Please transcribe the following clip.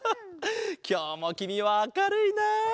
きょうもきみはあかるいな。